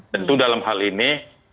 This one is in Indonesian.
tentu dalam hal ini